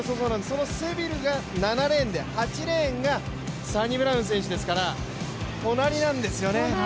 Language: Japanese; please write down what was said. そのセビルが７レーンで、８レーンがサニブラウン選手ですから隣なんですよね。